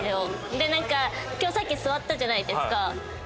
でなんか今日さっき座ったじゃないですか。